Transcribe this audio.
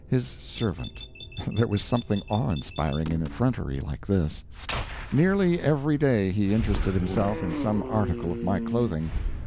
His servant! There was something awe inspiring in effrontery like this. Nearly every day he interested himself in some article of my clothing.